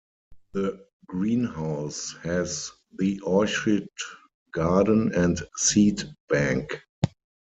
The greenhouse has the orchid garden and seed bank.